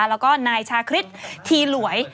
แล้วก็นายชาฆริตธีรไหลอย